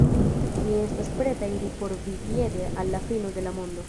Mi estas preta iri por vi piede al la fino de la mondo.